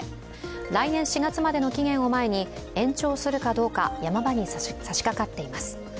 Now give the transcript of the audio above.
来年４月までの期限を前に延長するかどうか山場にさしかかっています。